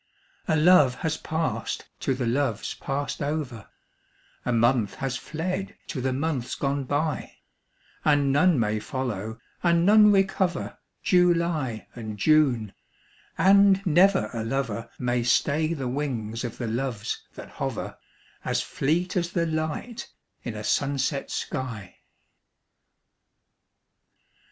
A love has passed to the loves passed over, A month has fled to the months gone by; And none may follow, and none recover July and June, and never a lover May stay the wings of the Loves that hover, As fleet as the light in a sunset sky.